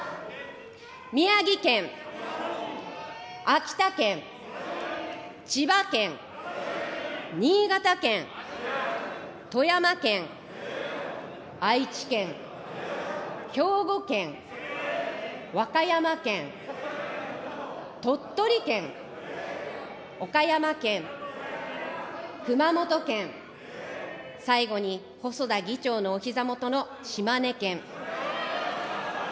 宮城県、秋田県、千葉県、新潟県、富山県、愛知県、兵庫県、和歌山県、鳥取県、岡山県、熊本県、最後に細田議長のおひざ元の島根県。